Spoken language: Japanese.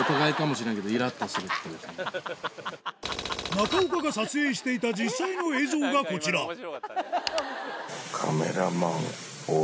中岡が撮影していた実際の映像がこちら何？